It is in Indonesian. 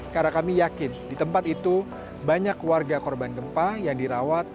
karena kami yakin di tempat itu banyak warga korban gempa yang dirawat